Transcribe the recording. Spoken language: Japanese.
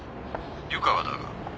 湯川だが。